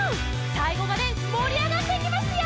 さいごまでもりあがっていきますよ！